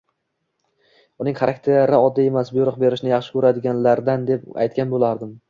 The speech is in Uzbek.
Uning xarakteri oddiy emas, buyruq berishni yaxshi ko`radiganlardan deb aytgan bo`lardim